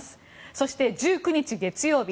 そして、１９日の月曜日